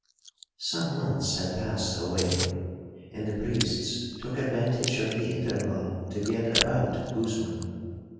'Some months had passed away, and the priests took advantage of the interval to get about Guzman.